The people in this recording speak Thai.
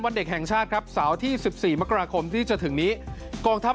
เด็กแห่งชาติครับเสาร์ที่๑๔มกราคมที่จะถึงนี้กองทัพ